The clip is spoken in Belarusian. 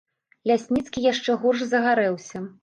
Лясніцкі яшчэ горш загарэўся.